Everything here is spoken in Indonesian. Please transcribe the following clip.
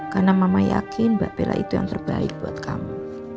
karena mama yakin mbak bella itu yang terbaik buat kamu